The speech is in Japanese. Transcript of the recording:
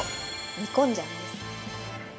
煮込んじゃうんです。